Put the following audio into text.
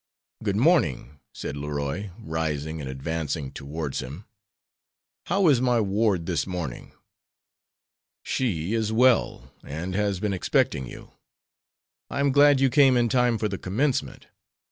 "Good morning," said Leroy, rising and advancing towards him; "how is my ward this morning?" "She is well, and has been expecting you. I am glad you came in time for the commencement.